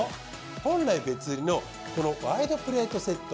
本来別売りのこのワイドプレートセット